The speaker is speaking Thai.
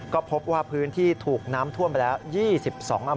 ก็พบว่าพื้นที่ถูกน้ำท่วมไปแล้ว๒๒อำเภอ